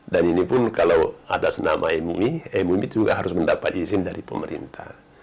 dan ini pun kalau atas nama mumi mumi juga harus mendapatkan izin dari pemerintah